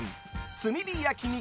炭火焼肉